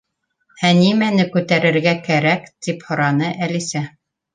—Ә нимәне күтәрергә кәрәк? —тип һораны Әлисә.